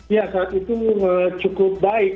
ya saat itu cukup baik